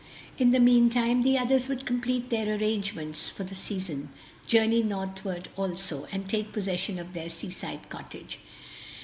In the mean time the others would complete their arrangements for the season, journey northward also, and take possession of their seaside cottage.